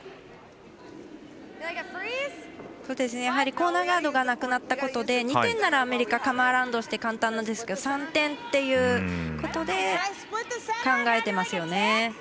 やはりコーナーガードがなくなったことで２点ならアメリカカム・アラウンドして簡単なんですけど３点っていうことで考えていますよね。